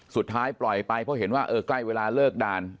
ปล่อยไปเพราะเห็นว่าเออใกล้เวลาเลิกด่าน